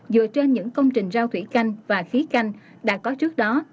dựa trên những công trình rau thủy canh và khí canh đã có trước đó